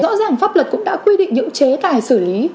rõ ràng pháp luật cũng đã quy định những chế tài xử lý